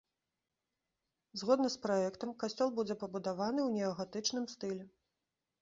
Згодна з праектам, касцёл будзе пабудаваны ў неагатычным стылі.